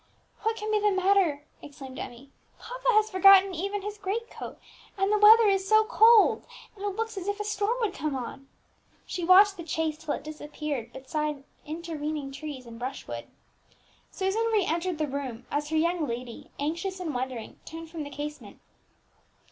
"What can be the matter?" exclaimed Emmie; "papa has forgotten even his greatcoat, and the weather is so cold, and it looks as if a storm would come on!" She watched the chaise till it disappeared behind intervening trees and brushwood. Susan re entered the room as her young lady, anxious and wondering, turned from the casement.